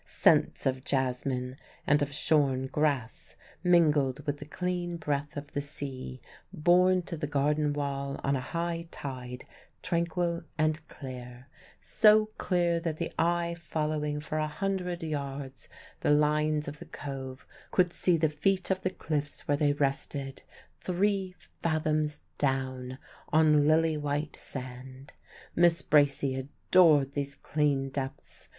Scents of jasmine and of shorn grass mingled with the clean breath of the sea borne to the garden wall on a high tide tranquil and clear so clear that the eye following for a hundred yards the lines of the cove could see the feet of the cliffs where they rested, three fathoms down, on lily white sand. Miss Bracy adored these clean depths.